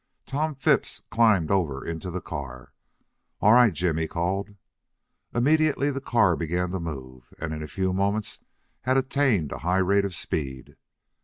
Tom Phipps climbed over into the car. "All right, Jim," he called. Immediately the car began to move and in a few moments had attained a high rate of speed.